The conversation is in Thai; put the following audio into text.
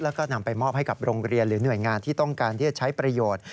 แล้วก็นำไปมอบให้กับโรงเรียนหรือหน่วยงานที่ต้องการที่จะใช้ประโยชน์